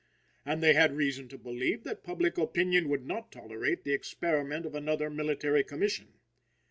And they had reason to believe that public opinion would not tolerate the experiment of another military commission.